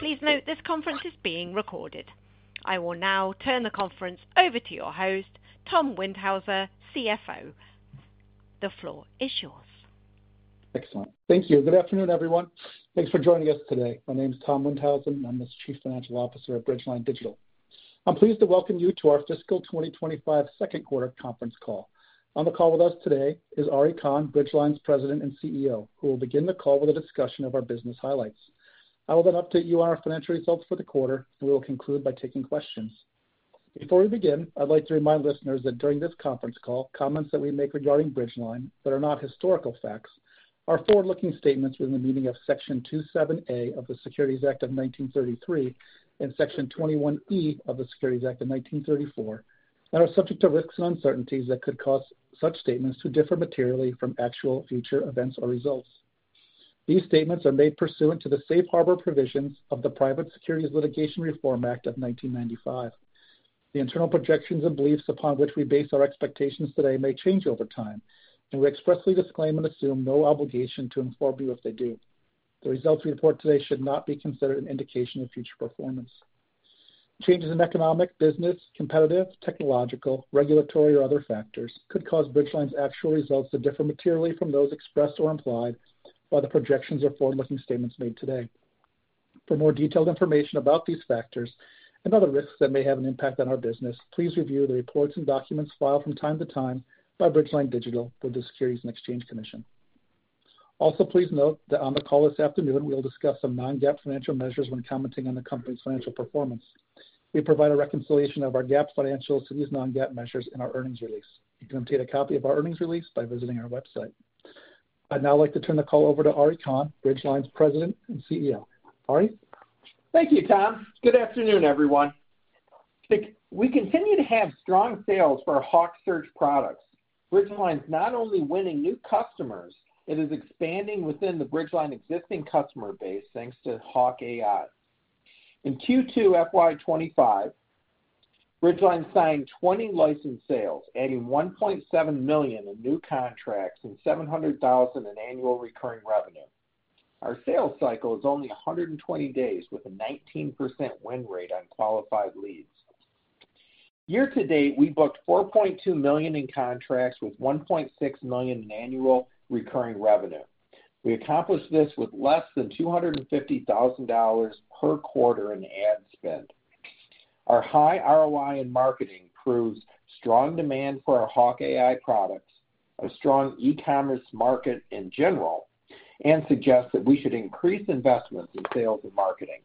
Please note this conference is being recorded. I will now turn the conference over to your host, Tom Windhausen, CFO. The floor is yours. Excellent. Thank you. Good afternoon, everyone. Thanks for joining us today. My name is Tom Windhausen, and I'm the Chief Financial Officer at Bridgeline Digital. I'm pleased to welcome you to our Fiscal 2025 second quarter conference call. On the call with us today is Ari Kahn, Bridgeline's President and CEO, who will begin the call with a discussion of our business highlights. I will then update you on our financial results for the quarter, and we will conclude by taking questions. Before we begin, I'd like to remind listeners that during this conference call, comments that we make regarding Bridgeline that are not historical facts are forward-looking statements within the meaning of Section 27A of the Securities Act of 1933 and Section 21E of the Securities Act of 1934, and are subject to risks and uncertainties that could cause such statements to differ materially from actual future events or results. These statements are made pursuant to the safe harbor provisions of the Private Securities Litigation Reform Act of 1995. The internal projections and beliefs upon which we base our expectations today may change over time, and we expressly disclaim and assume no obligation to inform you if they do. The results we report today should not be considered an indication of future performance. Changes in economic, business, competitive, technological, regulatory, or other factors could cause Bridgeline's actual results to differ materially from those expressed or implied by the projections or forward-looking statements made today. For more detailed information about these factors and other risks that may have an impact on our business, please review the reports and documents filed from time to time by Bridgeline Digital with the Securities and Exchange Commission. Also, please note that on the call this afternoon, we will discuss some non-GAAP financial measures when commenting on the company's financial performance. We provide a reconciliation of our GAAP financials to these non-GAAP measures in our earnings release. You can obtain a copy of our earnings release by visiting our website. I'd now like to turn the call over to Ari Kahn, Bridgeline's President and CEO. Ari? Thank you, Tom. Good afternoon, everyone. We continue to have strong sales for HawkSearch products. Bridgeline is not only winning new customers, it is expanding within the Bridgeline existing customer base thanks to HawkAI. In Q2 FY2025, Bridgeline signed 20 license sales, adding $1.7 million in new contracts and $700,000 in annual recurring revenue. Our sales cycle is only 120 days, with a 19% win rate on qualified leads. Year to date, we booked $4.2 million in contracts with $1.6 million in annual recurring revenue. We accomplished this with less than $250,000 per quarter in ad spend. Our high ROI in marketing proves strong demand for our HawkAI products, a strong e-commerce market in general, and suggests that we should increase investments in sales and marketing.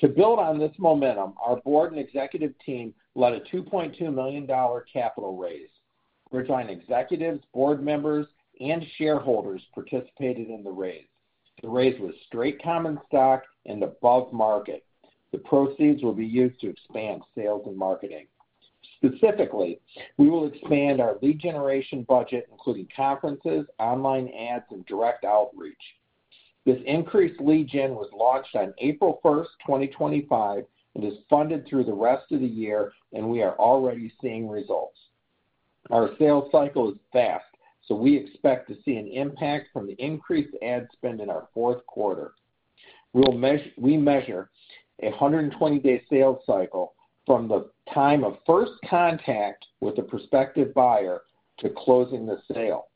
To build on this momentum, our board and executive team led a $2.2 million capital raise. Bridgeline executives, board members, and shareholders participated in the raise. The raise was straight common stock and above market. The proceeds will be used to expand sales and marketing. Specifically, we will expand our lead generation budget, including conferences, online ads, and direct outreach. This increased lead gen was launched on April 1st, 2025, and is funded through the rest of the year, and we are already seeing results. Our sales cycle is fast, so we expect to see an impact from the increased ad spend in our fourth quarter. We measure a 120-day sales cycle from the time of first contact with the prospective buyer to closing the sale.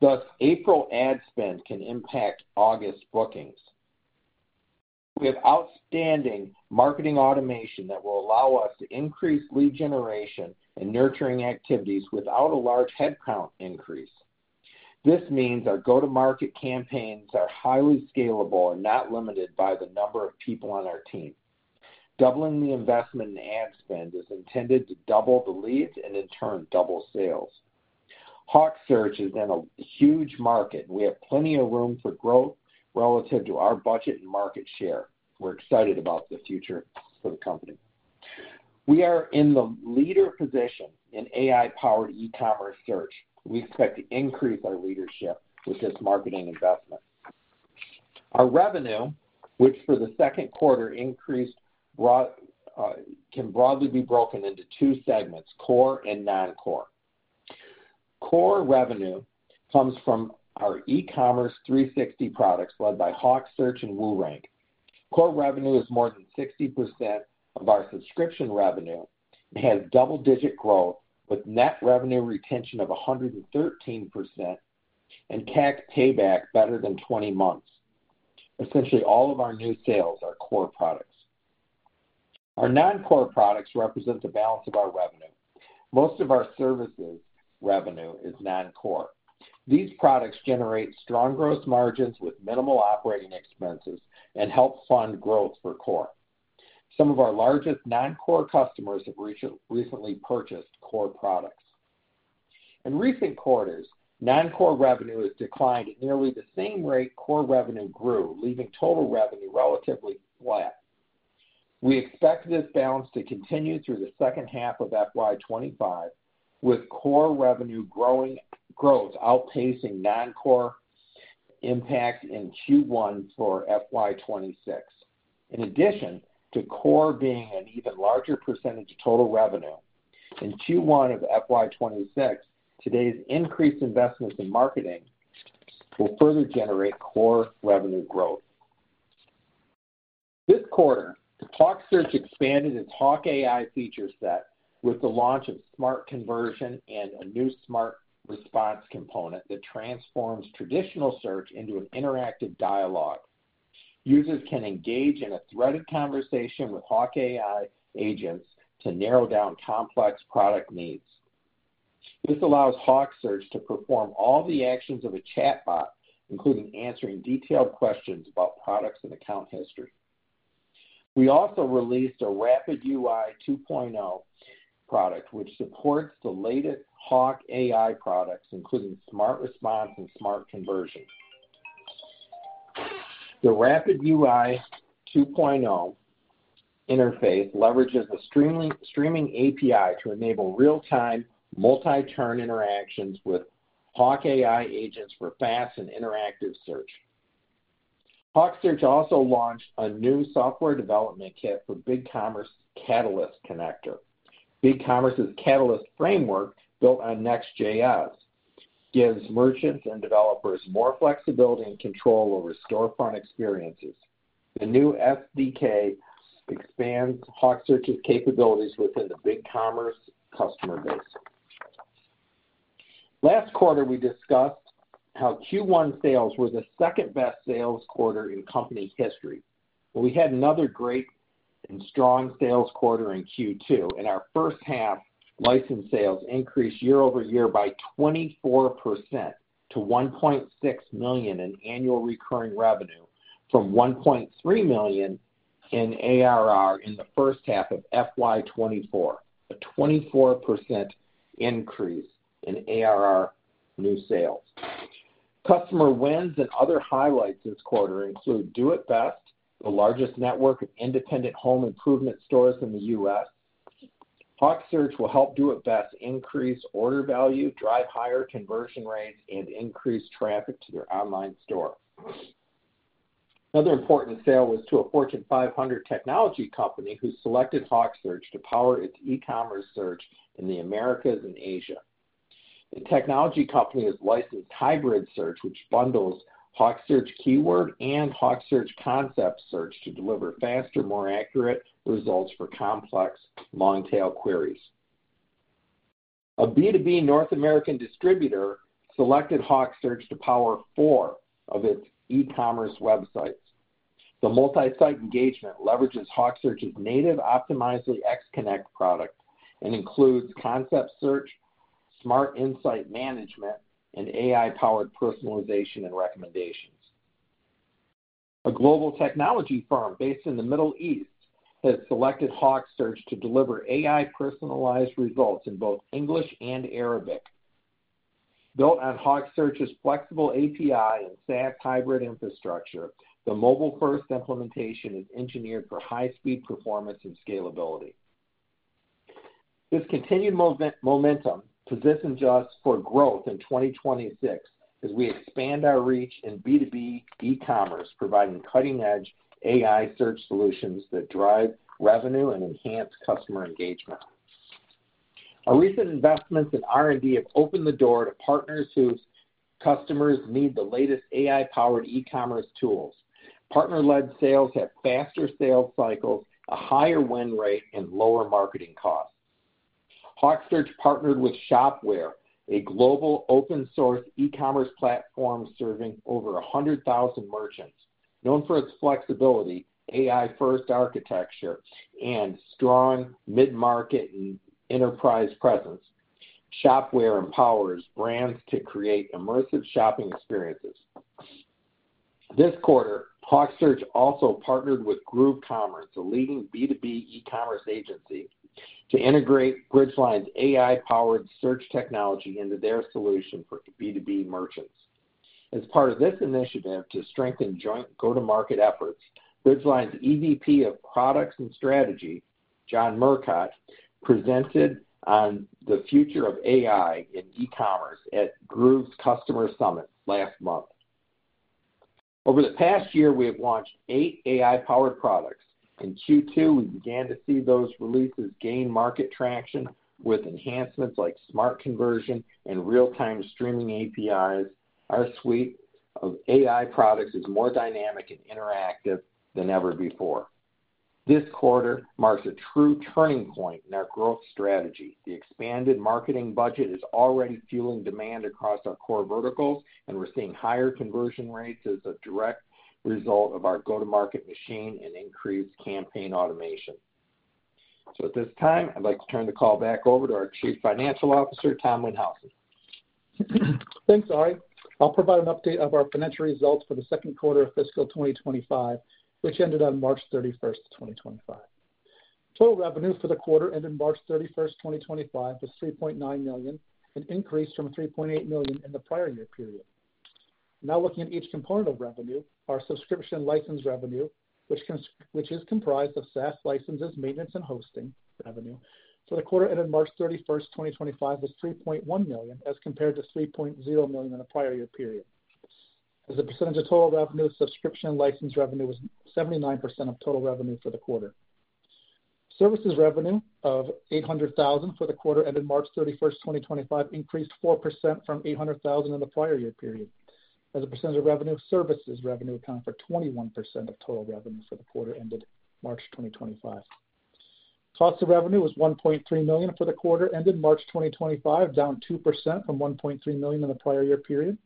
Thus, April ad spend can impact August bookings. We have outstanding marketing automation that will allow us to increase lead generation and nurturing activities without a large headcount increase. This means our go-to-market campaigns are highly scalable and not limited by the number of people on our team. Doubling the investment in ad spend is intended to double the leads and, in turn, double sales. HawkSearch is in a huge market, and we have plenty of room for growth relative to our budget and market share. We're excited about the future for the company. We are in the leader position in AI-powered e-commerce search. We expect to increase our leadership with this marketing investment. Our revenue, which for the second quarter increased, can broadly be broken into two segments: core and non-core. Core revenue comes from our e-commerce 360 products led by HawkSearch and WooRank. Core revenue is more than 60% of our subscription revenue and has double-digit growth with net revenue retention of 113% and CAC payback better than 20 months. Essentially, all of our new sales are core products. Our non-core products represent the balance of our revenue. Most of our services revenue is non-core. These products generate strong gross margins with minimal operating expenses and help fund growth for core. Some of our largest non-core customers have recently purchased core products. In recent quarters, non-core revenue has declined at nearly the same rate core revenue grew, leaving total revenue relatively flat. We expect this balance to continue through the second half of FY2025, with core revenue growth outpacing non-core impact in Q1 for FY2026. In addition to core being an even larger percentage of total revenue, in Q1 of FY2026, today's increased investments in marketing will further generate core revenue growth. This quarter, HawkSearch expanded its HawkAI feature set with the launch of Smart Conversion and a new Smart Response component that transforms traditional search into an interactive dialogue. Users can engage in a threaded conversation with HawkAI agents to narrow down complex product needs. This allows HawkSearch to perform all the actions of a chatbot, including answering detailed questions about products and account history. We also released a RapidUI 2.0 product, which supports the latest HawkAI products, including Smart Response and Smart Conversion. The RapidUI 2.0 interface leverages a streaming API to enable real-time multi-turn interactions with HawkAI agents for fast and interactive search. HawkSearch also launched a new software development kit for BigCommerce Catalyst Connector. BigCommerce's Catalyst framework, built on Next.js, gives merchants and developers more flexibility and control over storefront experiences. The new SDK expands HawkSearch's capabilities within the BigCommerce customer base. Last quarter, we discussed how Q1 sales were the second-best sales quarter in company history. We had another great and strong sales quarter in Q2, and our first-half license sales increased year over year by 24% to $1.6 million in annual recurring revenue, from $1.3 million in ARR in the first half of 2024, a 24% increase in ARR new sales. Customer wins and other highlights this quarter include Do It Best, the largest network of independent home improvement stores in the U.S. HawkSearch will help Do It Best increase order value, drive higher conversion rates, and increase traffic to their online store. Another important sale was to a Fortune 500 technology company who selected HawkSearch to power its e-commerce search in the Americas and Asia. The technology company has licensed HybridSearch, which bundles HawkSearch Keyword and HawkSearch Concept Search to deliver faster, more accurate results for complex, long-tail queries. A B2B North American distributor selected HawkSearch to power four of its e-commerce websites. The multi-site engagement leverages HawkSearch's native Optimizely XConnect product and includes Concept Search, Smart Insight Management, and AI-powered personalization and recommendations. A global technology firm based in the Middle East has selected HawkSearch to deliver AI-personalized results in both English and Arabic. Built on HawkSearch's flexible API and SaaS hybrid infrastructure, the mobile-first implementation is engineered for high-speed performance and scalability. This continued momentum positions us for growth in 2026 as we expand our reach in B2B e-commerce, providing cutting-edge AI search solutions that drive revenue and enhance customer engagement. Our recent investments in R&D have opened the door to partners whose customers need the latest AI-powered e-commerce tools. Partner-led sales have faster sales cycles, a higher win rate, and lower marketing costs. HawkSearch partnered with Shopware, a global open-source e-commerce platform serving over 100,000 merchants. Known for its flexibility, AI-first architecture, and strong mid-market and enterprise presence, Shopware empowers brands to create immersive shopping experiences. This quarter, HawkSearch also partnered with GrooveCommerce, a leading B2B e-commerce agency, to integrate Bridgeline's AI-powered search technology into their solution for B2B merchants. As part of this initiative to strengthen joint go-to-market efforts, Bridgeline's EVP of Products and Strategy, John Murcott, presented on the future of AI in e-commerce at Groove's Customer Summit last month. Over the past year, we have launched eight AI-powered products. In Q2, we began to see those releases gain market traction with enhancements like Smart Conversion and real-time streaming APIs. Our suite of AI products is more dynamic and interactive than ever before. This quarter marks a true turning point in our growth strategy. The expanded marketing budget is already fueling demand across our core verticals, and we're seeing higher conversion rates as a direct result of our go-to-market machine and increased campaign automation. At this time, I'd like to turn the call back over to our Chief Financial Officer, Tom Windhausen. Thanks, Ari. I'll provide an update of our financial results for the second quarter of fiscal 2025, which ended on March 31st, 2025. Total revenue for the quarter ended March 31st, 2025, was $3.9 million, an increase from $3.8 million in the prior year period. Now looking at each component of revenue, our subscription license revenue, which is comprised of SaaS licenses, maintenance, and hosting revenue. For the quarter ended March 31st, 2025, was $3.1 million as compared to $3.0 million in the prior year period. As a percentage of total revenue, subscription license revenue was 79% of total revenue for the quarter. Services revenue of $800,000 for the quarter ended March 31st, 2025, increased 4% from $800,000 in the prior year period. As a percentage of revenue, services revenue accounted for 21% of total revenue for the quarter ended March 2025. Cost of revenue was $1.3 million for the quarter ended March 2025, down 2% from $1.3 million in the prior year period.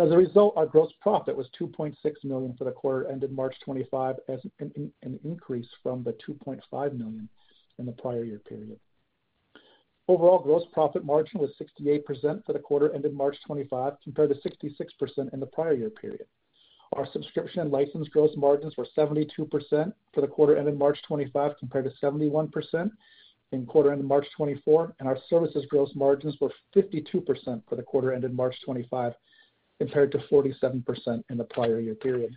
As a result, our gross profit was $2.6 million for the quarter ended March 2025, an increase from the $2.5 million in the prior year period. Overall gross profit margin was 68% for the quarter ended March 2025, compared to 66% in the prior year period. Our subscription license gross margins were 72% for the quarter ended March 2025, compared to 71% in the quarter ended March 2024. Our services gross margins were 52% for the quarter ended March 2025, compared to 47% in the prior year period.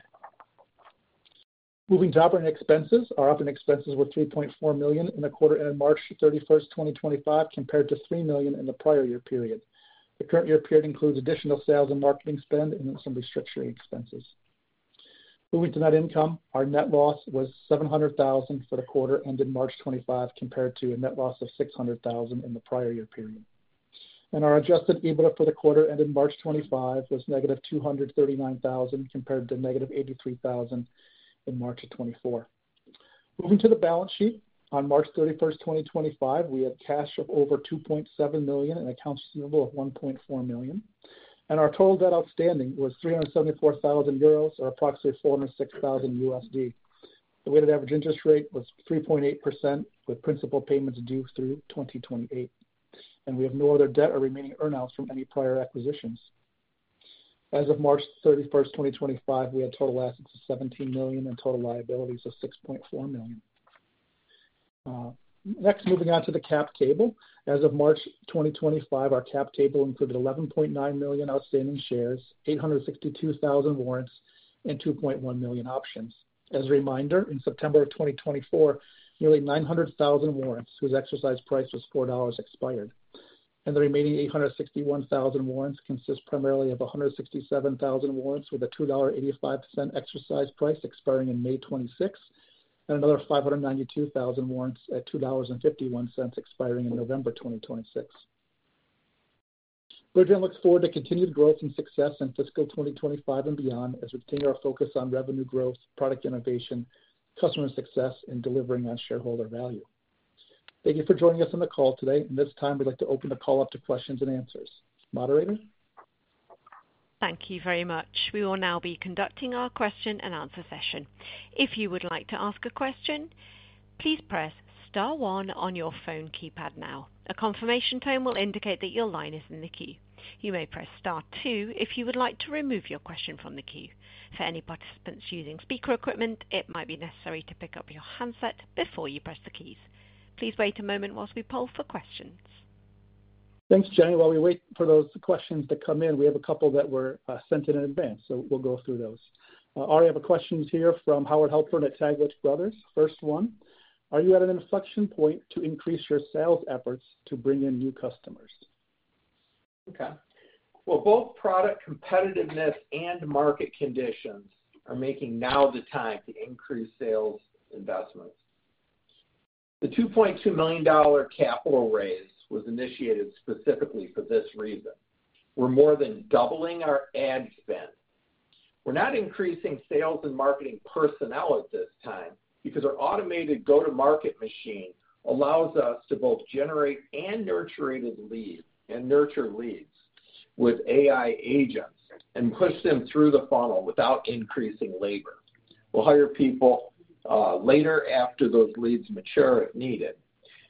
Moving to operating expenses, our operating expenses were $3.4 million in the quarter ended March 31st, 2025, compared to $3 million in the prior year period. The current year period includes additional sales and marketing spend and some restrictionary expenses. Moving to net income, our net loss was $700,000 for the quarter ended March 25, compared to a net loss of $600,000 in the prior year period. Our adjusted EBITDA for the quarter ended March 25 was -$239,000, compared to -$83,000 in March of 2024. Moving to the balance sheet, on March 31, 2025, we had cash of over $2.7 million and accounts receivable of $1.4 million. Our total debt outstanding was 374,000 euros, or approximately $406,000. The weighted average interest rate was 3.8% with principal payments due through 2028. We have no other debt or remaining earnings from any prior acquisitions. As of March 31st, 2025, we had total assets of $17 million and total liabilities of $6.4 million. Next, moving on to the cap table. As of March 2025, our cap table included 11.9 million outstanding shares, 862,000 warrants, and 2.1 million options. As a reminder, in September of 2024, nearly 900,000 warrants whose exercise price was $4 expired. The remaining 861,000 warrants consist primarily of 167,000 warrants with a $2.85 exercise price expiring in May 2026, and another 592,000 warrants at $2.51 expiring in November 2026. Bridgeline looks forward to continued growth and success in fiscal 2025 and beyond as we continue our focus on revenue growth, product innovation, customer success, and delivering on shareholder value. Thank you for joining us on the call today. At this time, we'd like to open the call up to questions and answers. Moderator. Thank you very much. We will now be conducting our question and answer session. If you would like to ask a question, please press star one on your phone keypad now. A confirmation tone will indicate that your line is in the queue. You may press star two if you would like to remove your question from the queue. For any participants using speaker equipment, it might be necessary to pick up your handset before you press the keys. Please wait a moment while we poll for questions. Thanks, Jane. While we wait for those questions to come in, we have a couple that were sent in advance, so we'll go through those. Ari, I have a question here from Howard Helper at Taglet Brothers. First one, are you at an inflection point to increase your sales efforts to bring in new customers? Okay. Both product competitiveness and market conditions are making now the time to increase sales investments. The $2.2 million capital raise was initiated specifically for this reason. We're more than doubling our ad spend. We're not increasing sales and marketing personnel at this time because our automated go-to-market machine allows us to both generate and nurture leads, and nurture leads with AI agents, and push them through the funnel without increasing labor. We'll hire people later after those leads mature if needed.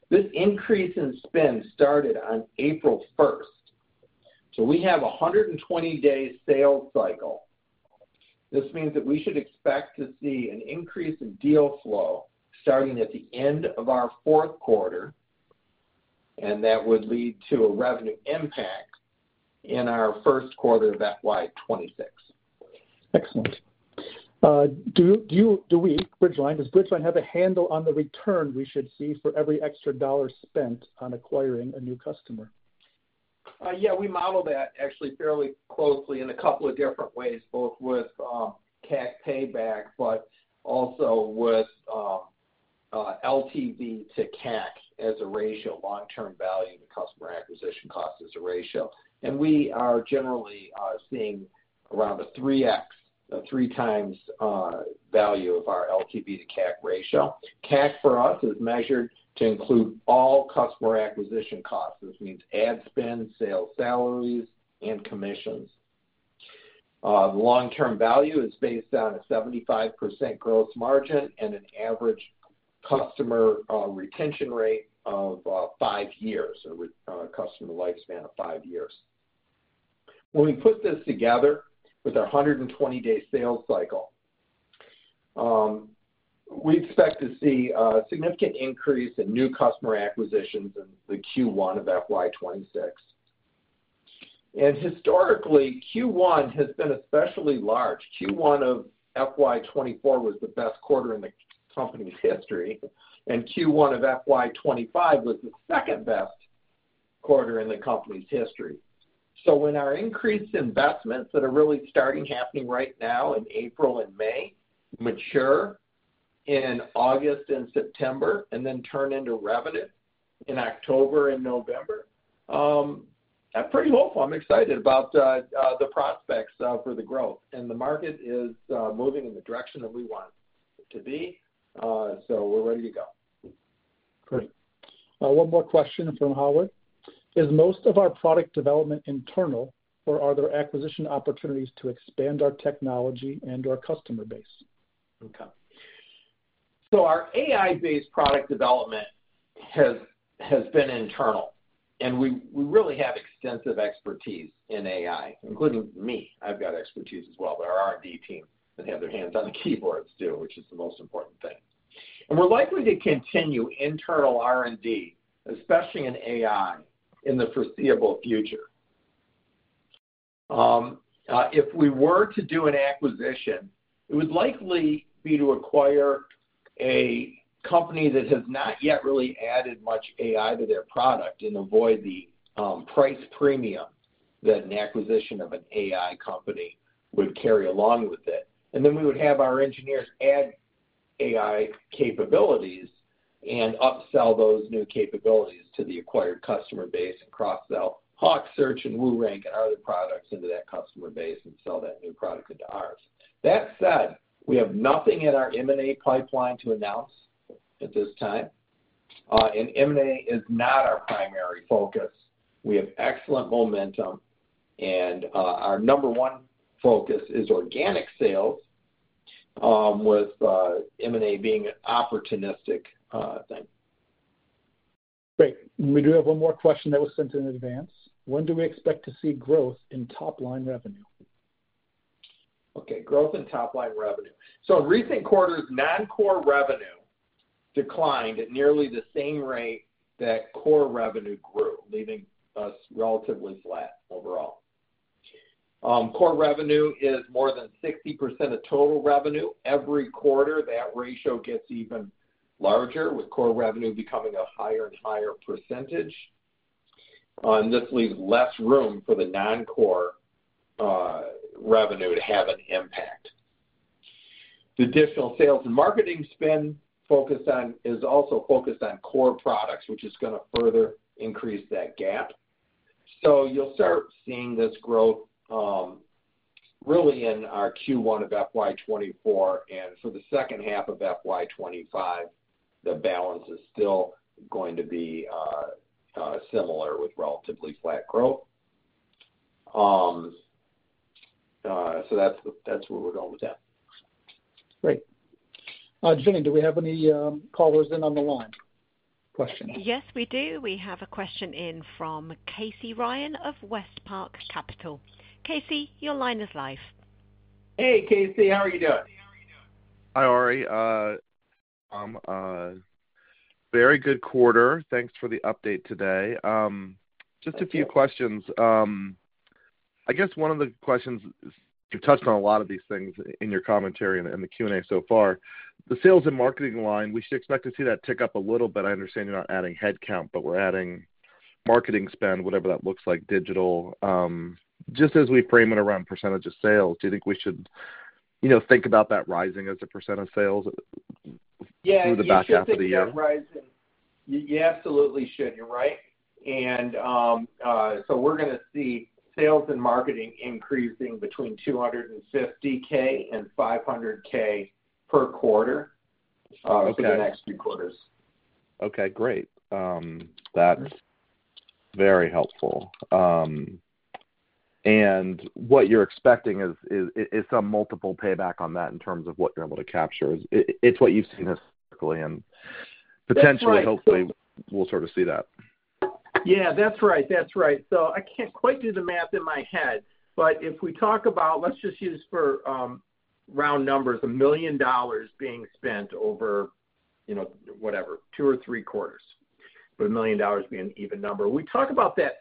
This increase in spend started on April 1. We have a 120-day sales cycle. This means that we should expect to see an increase in deal flow starting at the end of our fourth quarter, and that would lead to a revenue impact in our first quarter of FY2026. Excellent. Do we, Bridgeline, does Bridgeline have a handle on the return we should see for every extra dollar spent on acquiring a new customer? Yeah, we model that actually fairly closely in a couple of different ways, both with CAC payback, but also with LTV to CAC as a ratio, long-term value to customer acquisition cost as a ratio. We are generally seeing around a 3X, a three-times value of our LTV to CAC ratio. CAC for us is measured to include all customer acquisition costs. This means ad spend, sales salaries, and commissions. The long-term value is based on a 75% gross margin and an average customer retention rate of five years, a customer lifespan of five years. When we put this together with our 120-day sales cycle, we expect to see a significant increase in new customer acquisitions in the Q1 of FY2026. Historically, Q1 has been especially large. Q1 of FY24 was the best quarter in the company's history, and Q1 of FY25 was the second-best quarter in the company's history. When our increased investments that are really starting happening right now in April and May mature in August and September, and then turn into revenue in October and November, I'm pretty hopeful. I'm excited about the prospects for the growth. The market is moving in the direction that we want it to be, so we're ready to go. Great. One more question from Howard. Is most of our product development internal, or are there acquisition opportunities to expand our technology and our customer base? Okay. Our AI-based product development has been internal, and we really have extensive expertise in AI, including me. I've got expertise as well. Our R&D team has had their hands on the keyboards too, which is the most important thing. We are likely to continue internal R&D, especially in AI, in the foreseeable future. If we were to do an acquisition, it would likely be to acquire a company that has not yet really added much AI to their product and avoid the price premium that an acquisition of an AI company would carry along with it. We would have our engineers add AI capabilities and upsell those new capabilities to the acquired customer base and cross-sell HawkSearch and WooRank and other products into that customer base and sell that new product into ours. That said, we have nothing in our M&A pipeline to announce at this time. M&A is not our primary focus. We have excellent momentum, and our number one focus is organic sales, with M&A being an opportunistic thing. Great. We do have one more question that was sent in advance. When do we expect to see growth in top-line revenue? Okay. Growth in top-line revenue. In recent quarters, non-core revenue declined at nearly the same rate that core revenue grew, leaving us relatively flat overall. Core revenue is more than 60% of total revenue. Every quarter, that ratio gets even larger, with core revenue becoming a higher and higher percentage. This leaves less room for the non-core revenue to have an impact. The additional sales and marketing spend is also focused on core products, which is going to further increase that gap. You will start seeing this growth really in our Q1 of FY2024. For the second half of FY2025, the balance is still going to be similar with relatively flat growth. That is where we are going with that. Great. Jane, do we have any callers in on the line? Questions. Yes, we do. We have a question in from Casey Ryan of Westpark Capital. Casey, your line is live. Hey, Casey. How are you doing? Hi, Ari. Very good quarter. Thanks for the update today. Just a few questions. I guess one of the questions, you've touched on a lot of these things in your commentary and the Q&A so far. The sales and marketing line, we should expect to see that tick up a little bit. I understand you're not adding headcount, but we're adding marketing spend, whatever that looks like, digital. Just as we frame it around percentage of sales, do you think we should think about that rising as a percent of sales through the back half of the year? Yeah. You should think about rising. You absolutely should. You're right. We're going to see sales and marketing increasing between $250,000 and $500,000 per quarter for the next few quarters. Okay. Great. That's very helpful. What you're expecting is some multiple payback on that in terms of what you're able to capture. It's what you've seen historically. Potentially, hopefully, we'll sort of see that. Yeah. That's right. That's right. So I can't quite do the math in my head. But if we talk about, let's just use for round numbers, $1 million being spent over whatever, two or three quarters, but $1 million being an even number. We talk about that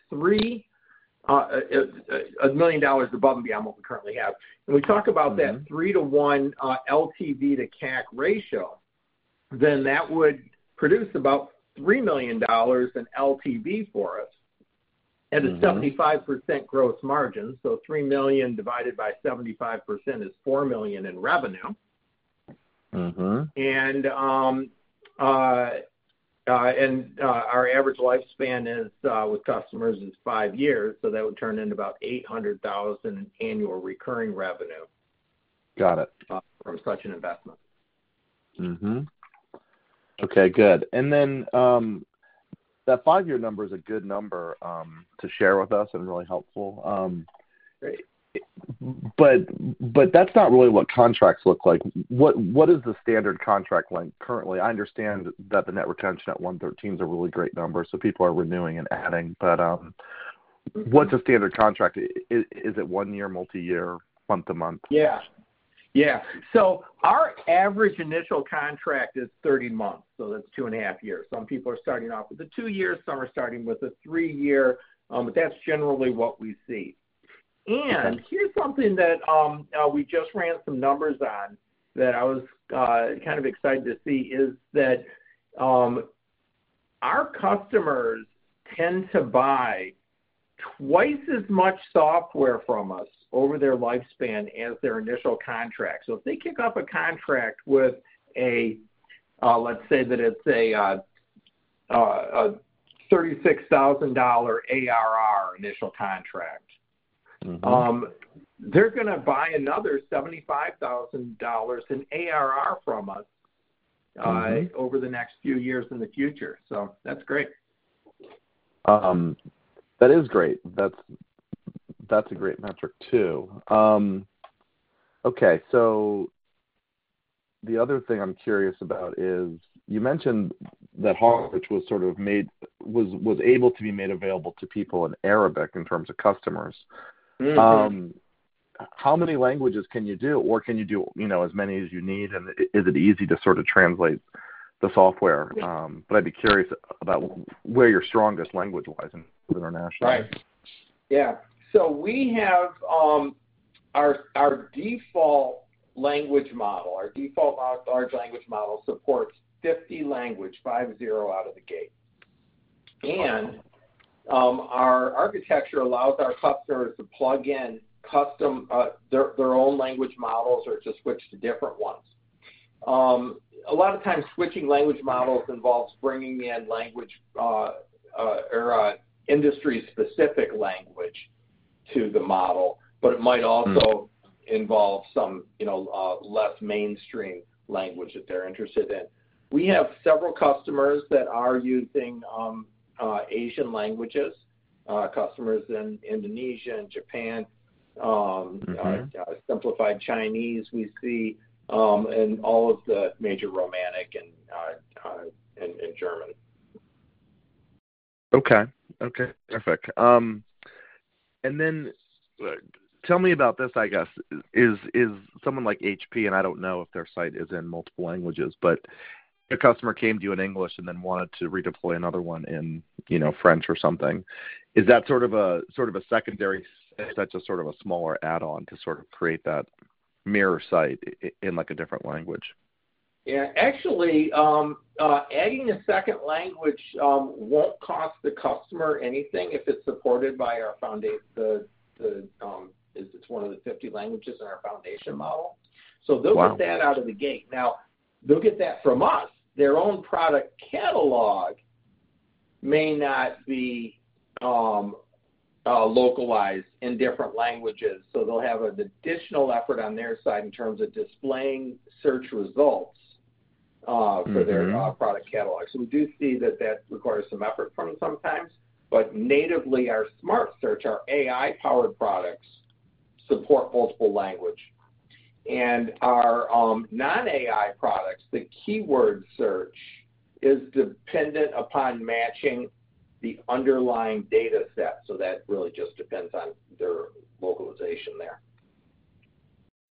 $1 million above and beyond what we currently have. And we talk about that 3 to 1 LTV to CAC ratio, then that would produce about $3 million in LTV for us at a 75% gross margin. So $3 million divided by 75% is $4 million in revenue. Our average lifespan with customers is five years. That would turn into about $800,000 annual recurring revenue from such an investment. Okay. Good. That five-year number is a good number to share with us and really helpful. That is not really what contracts look like. What is the standard contract length currently? I understand that the net retention at 113% is a really great number. People are renewing and adding. What is a standard contract? Is it one year, multi-year, month-to-month? Yeah. Yeah. Our average initial contract is 30 months. That is two and a half years. Some people are starting off with a two-year. Some are starting with a three-year. That is generally what we see. Here is something that we just ran some numbers on that I was kind of excited to see is that our customers tend to buy twice as much software from us over their lifespan as their initial contract. If they kick off a contract with a, let's say that it is a $36,000 ARR initial contract, they are going to buy another $75,000 in ARR from us over the next few years in the future. That is great. That is great. That's a great metric too. Okay. The other thing I'm curious about is you mentioned that HawkSearch was sort of able to be made available to people in Arabic in terms of customers. How many languages can you do? Or can you do as many as you need? Is it easy to sort of translate the software? I'd be curious about where you're strongest language-wise and internationally. Right. Yeah. Our default language model, our default large language model supports 50 languages out of the gate. Our architecture allows our customers to plug in their own language models or to switch to different ones. A lot of times, switching language models involves bringing in industry-specific language to the model, but it might also involve some less mainstream language that they're interested in. We have several customers that are using Asian languages, customers in Indonesia and Japan, simplified Chinese we see, and all of the major Romanic and German. Okay. Okay. Perfect. Tell me about this, I guess. Is someone like HP—and I do not know if their site is in multiple languages—but a customer came to you in English and then wanted to redeploy another one in French or something. Is that sort of a secondary? Is that just sort of a smaller add-on to sort of create that mirror site in a different language? Yeah. Actually, adding a second language will not cost the customer anything if it is supported by our—it is one of the 50 languages in our foundation model. They will get that out of the gate. Now, they will get that from us. Their own product catalog may not be localized in different languages. They will have an additional effort on their side in terms of displaying search results for their product catalog. We do see that that requires some effort from them sometimes. Natively, our Smart Search, our AI-powered products, support multiple languages. Our non-AI products, the keyword search, is dependent upon matching the underlying data set. That really just depends on their localization there.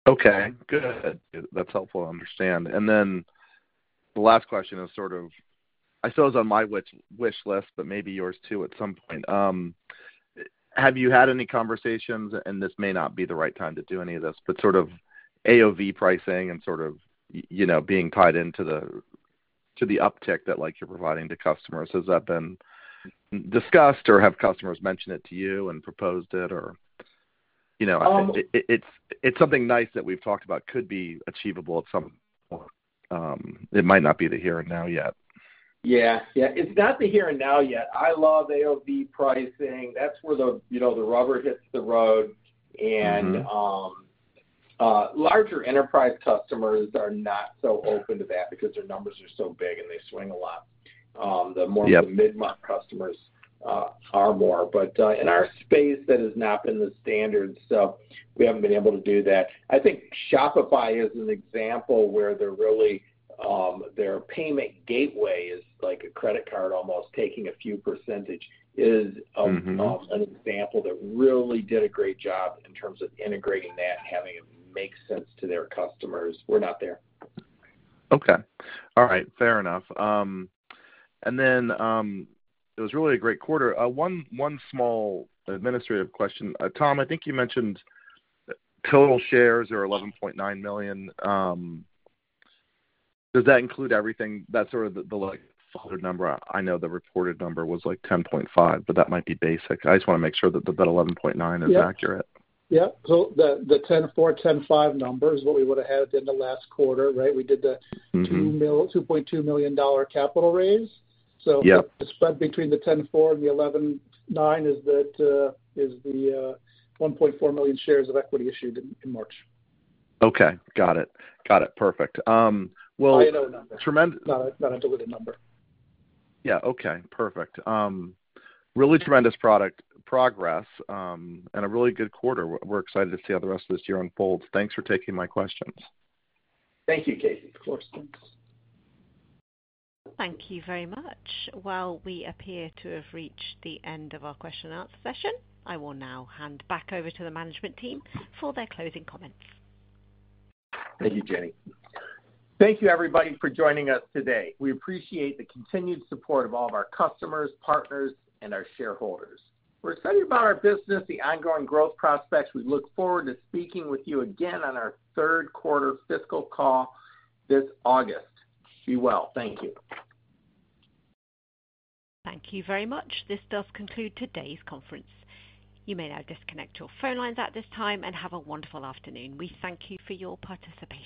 Okay. Good. That's helpful to understand. The last question is sort of—I saw it was on my wish list, but maybe yours too at some point. Have you had any conversations—and this may not be the right time to do any of this—but sort of AOV pricing and sort of being tied into the uptick that you're providing to customers? Has that been discussed or have customers mentioned it to you and proposed it? Or it's something nice that we've talked about could be achievable at some point. It might not be the here and now yet. Yeah. Yeah. It's not the here and now yet. I love AOV pricing. That's where the rubber hits the road. Larger enterprise customers are not so open to that because their numbers are so big and they swing a lot. The mid-market customers are more. In our space, that has not been the standard. We haven't been able to do that. I think Shopify is an example where their payment gateway is like a credit card almost, taking a few %, is an example that really did a great job in terms of integrating that and having it make sense to their customers. We're not there. Okay. All right. Fair enough. One small administrative question. Tom, I think you mentioned total shares are 11.9 million. Does that include everything? That's sort of the followed number. I know the reported number was like 10.5, but that might be basic. I just want to make sure that that 11.9 is accurate. Yeah. So the 10.4, 10.5 numbers, what we would have had at the end of last quarter, right? We did the $2.2 million capital raise. The spread between the 10.4 and the 11.9 is the 1.4 million shares of equity issued in March. Okay. Got it. Got it. Perfect. I know a number. Not a deluded number. Yeah. Okay. Perfect. Really tremendous progress and a really good quarter. We're excited to see how the rest of this year unfolds. Thanks for taking my questions. Thank you, Casey. Of course. Thanks. Thank you very much. We appear to have reached the end of our question-and-answer session. I will now hand back over to the management team for their closing comments. Thank you, Janie. Thank you, everybody, for joining us today. We appreciate the continued support of all of our customers, partners, and our shareholders. We're excited about our business, the ongoing growth prospects. We look forward to speaking with you again on our third quarter fiscal call this August. Be well. Thank you. Thank you very much. This does conclude today's conference. You may now disconnect your phone lines at this time and have a wonderful afternoon. We thank you for your participation.